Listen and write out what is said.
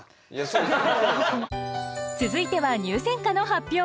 続いては入選歌の発表。